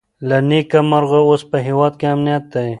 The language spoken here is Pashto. له نېکمرغه اوس په هېواد کې امنیت دی.